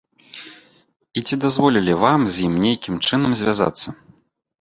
І ці дазволілі вам з ім нейкім чынам звязацца?